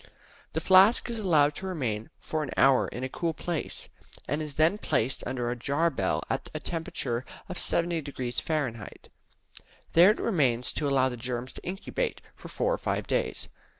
The flask is allowed to remain for an hour in a cool place, and is then placed under a bell jar, at a temperature of 70° Fahr. There it remains, to allow the germs to incubate, for four or five days.